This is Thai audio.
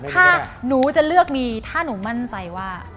ถ้าหนูจะเลือกมีถ้าหนูมั่นใจว่า